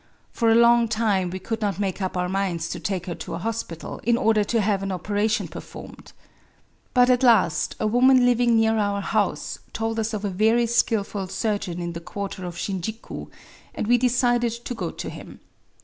For a long time we could not make up our minds to take her to a hospital, in order to have an operation performed. But at last a woman living near our house told us of a very skilful surgeon in [the quarter of] Shinjiku > and we decided to go to him.